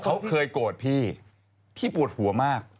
เขาเคยโกรธพี่พี่ปวดหัวมาก